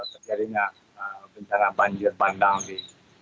terjadinya bencana banjir bandang di